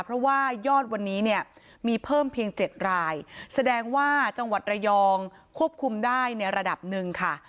เพราะว่ายอดวันนี้เนี่ยมีเพิ่มเพียง๗รายแสดงว่าจังหวัดระยองควบคุมได้ในระดับหนึ่งค่ะ